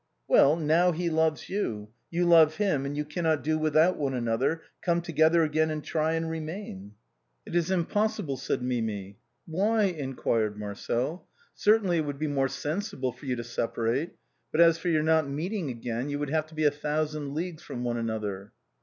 " Well, now he loves you, you love him and you cannot do without one another, come together again and try and remain." " It is impossible," said Mimi. " Why? " inquired Marcel. " Certainly it would be more sensible for you to separate, but as for your not meeting again, you would have to be a thousand leagues from one another."